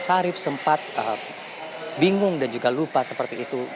syarif sempat bingung dan juga lupa seperti itu